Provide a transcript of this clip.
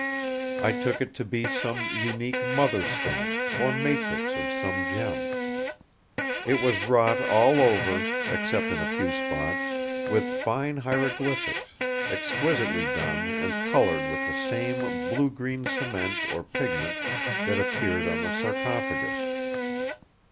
I took it to be some unique mother stone, or matrix of some gem. It was wrought all over, except in a few spots, with fine hieroglyphics, exquisitely done and coloured with the same blue green cement or pigment that appeared on the sarcophagus.